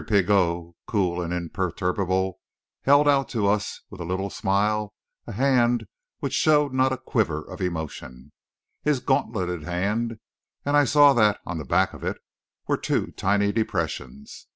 Pigot, cool and imperturbable, held out to us, with a little smile, a hand which showed not a quiver of emotion his gauntleted hand; and I saw that, on the back of it, were two tiny depressions.